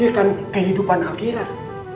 memikirkan kehidupan akhirat